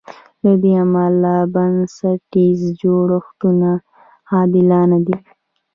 له دې امله بنسټیز جوړښتونه عادلانه دي.